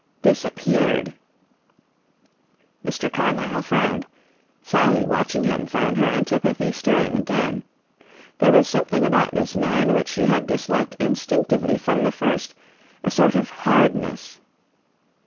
"Disappeared!" Mr. Carmyle frowned. Sally, watching him, found her antipathy stirring again. There was something about this man which she had disliked instinctively from the first, a sort of hardness.